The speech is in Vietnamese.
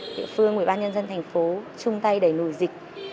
địa phương ủy ban nhân dân thành phố chung tay đẩy lùi dịch